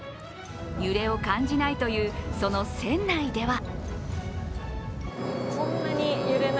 揺れを感じないというその船内では。